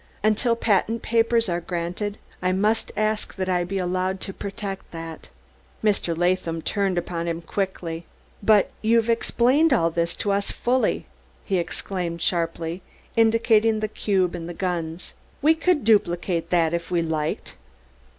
Until patent papers are granted I must ask that I be allowed to protect that." Mr. Latham turned upon him quickly. "But you've explained all this to us fully," he exclaimed sharply, indicating the cube and the guns. "We could duplicate that if we liked."